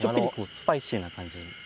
スパイシーな感じ。